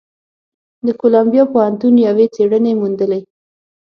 د کولمبیا پوهنتون یوې څېړنې موندلې،